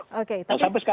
oke tapi setidaknya